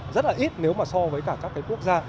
rất là ít nếu mà so với các quốc gia